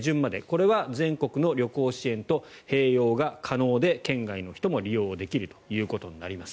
これは全国の旅行支援と併用が可能で県外の人も利用できるということです。